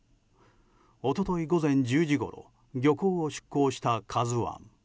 一昨日、午前１０時ごろ漁港を出港した「ＫＡＺＵ１」。